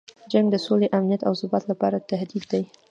جنګ د سولې، امنیت او ثبات لپاره تهدید دی.